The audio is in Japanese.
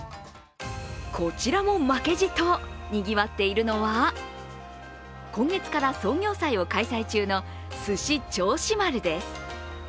こちらも負けじとにぎわっているのは、今月から創業祭を開催中のすし銚子丸です。